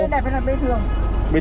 vé đẹp hay là vé thường